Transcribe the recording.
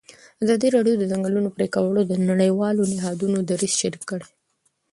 ازادي راډیو د د ځنګلونو پرېکول د نړیوالو نهادونو دریځ شریک کړی.